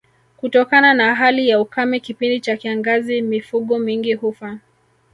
Kutokana na hali ya ukame kipindi cha kiangazi mifugo mingi hufa